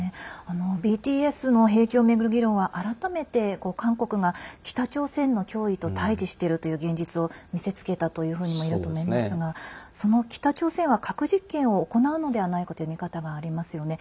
ＢＴＳの兵役を巡る議論は改めて韓国が北朝鮮の脅威と対じしているという現実を見せつけたというふうにもいえると思いますがその北朝鮮は核実験を行うのではないかという見方がありますよね。